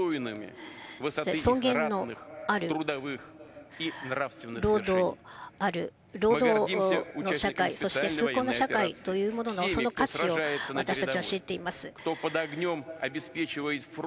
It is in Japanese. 尊厳のある労働の社会、そして崇高な社会というもののその価値を、私たちは知っています。